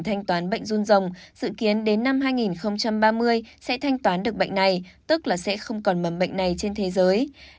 thanh toán bệnh run rồng dự kiến đến năm hai nghìn ba mươi sẽ thanh toán được bệnh này tức là sẽ không còn mầm bệnh này trên thế giới